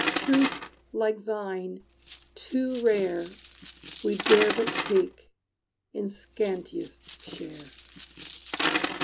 Truth like thine, too rare, We dare but take in scantiest share."